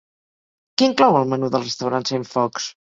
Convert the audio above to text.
Què inclou el menú del restaurant Centfocs?